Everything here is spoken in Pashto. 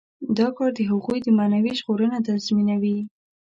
دا کار د هغوی معنوي ژغورنه تضمینوي.